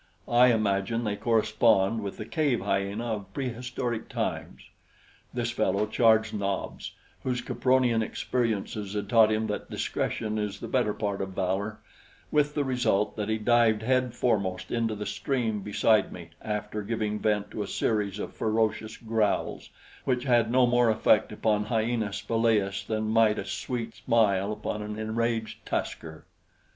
I imagine they correspond with the cave hyena of prehistoric times. This fellow charged Nobs, whose Capronian experiences had taught him that discretion is the better part of valor with the result that he dived head foremost into the stream beside me after giving vent to a series of ferocious growls which had no more effect upon Hyaena spelaeus than might a sweet smile upon an enraged tusker.